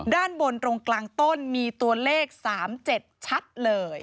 ด้านบนตรงกลางต้นมีตัวเลข๓๗ชัดเลย